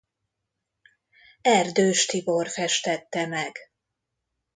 Erdős Tibor festette meg.